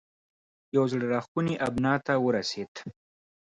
یوه زړه راښکونې ابنا ته ورسېد.